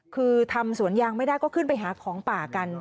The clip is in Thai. คือทำสวนยางไม่ได้ก็ขึ้นไปหาของป่ากัน